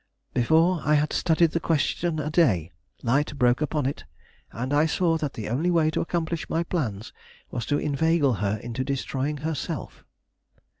Before I had studied the question a day, light broke upon it, and I saw that the only way to accomplish my plans was to inveigle her into destroying herself.